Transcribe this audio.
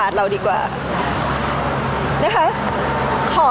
พี่ตอบได้แค่นี้จริงค่ะ